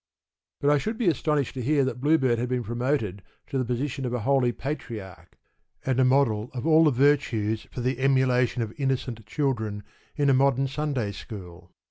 But I should be astonished to hear that Bluebeard had been promoted to the position of a holy patriarch, and a model of all the virtues for the emulation of innocent children in a modern Sunday school.